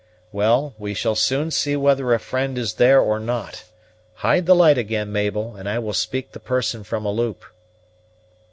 "Well, we shall soon know whether a friend is there or not. Hide the light again, Mabel, and I will speak the person from a loop."